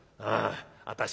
ああ